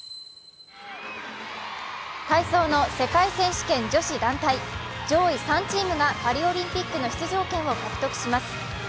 体操の世界選手権女子団体、上位３チームがパリオリンピックの出場権を獲得します。